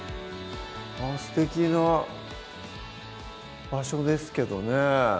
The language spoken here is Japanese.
すてきな場所ですけどねぇ